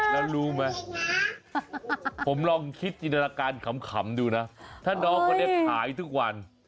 แล้วรู้ไหมผมลองคิดจินตนาการขำดูนะถ้าน้องคนนี้ขายทุกวัน